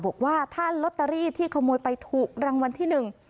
บอกว่าถ้าลอตเตอรี่ที่ขโมยไปถูกรางวัลที่หนึ่ง